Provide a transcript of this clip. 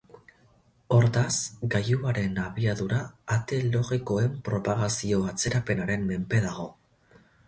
Hortaz, gailuaren abiadura ate logikoen propagazio-atzerapenaren menpe dago.